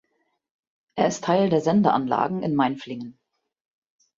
Er ist Teil der Sendeanlagen in Mainflingen.